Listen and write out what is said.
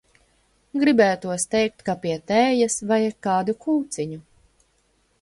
Gribētos teikt, ka pie tējas vajag kādu kūciņu.